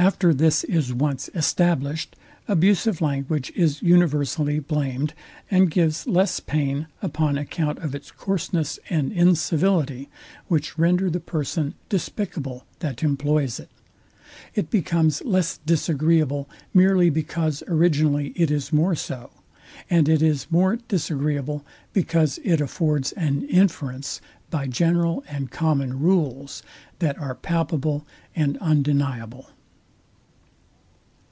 After this is once established, abusive language is universally blamed, and gives less pain upon account of its coarseness and incivility, which render the person despicable, that employs it. It becomes less disagreeable, merely because originally it is more so; and it is more disagreeable, because it affords an inference by general and common rules, that are palpable and undeniable.